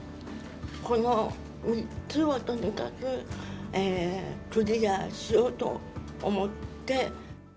この３つをとにかくクリアしようと思って。